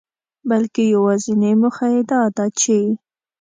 بلکي يوازنۍ موخه يې داده چي